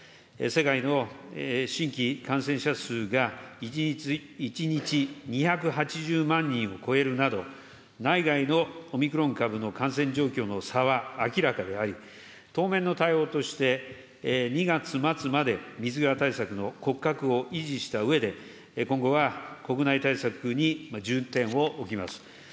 世界の新規感染者数が１日２８０万人を超えるなど、内外のオミクロン株の感染状況の差は明らかであり、当面の対応として、２月末まで水際対策の骨格を維持したうえで、今後は国内対策に重点を置きます。